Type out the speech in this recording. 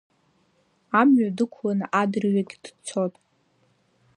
Амҩа дықәлан адырҩагь дцот.